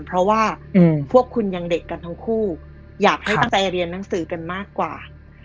เพราะว่าพวกคุณยังเด็กกันทั้งคู่อยากให้ตั้งใจเรียนหนังสือกันมากกว่า